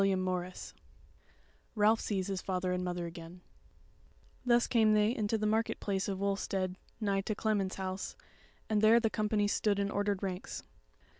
CHAPTER 26 Ralph Sees His Father and Mother Again Thus came they into the market place of Wulstead nigh to Clement's house, and there the company stood in ordered ranks.